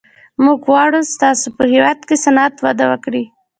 موږ غواړو ستاسو په هېواد کې صنعت وده وکړي